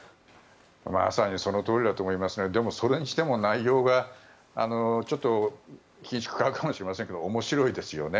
まさにそのとおりだと思いますがでも、それにしても内容がちょっと、ひんしゅくを買うかもしれませんが面白いですよね。